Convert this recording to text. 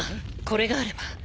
これがあれば。